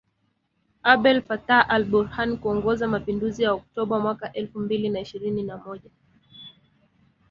Abdel Fattah al-Burhan kuongoza mapinduzi ya Oktoba mwaka elfu mbili na ishirini na moja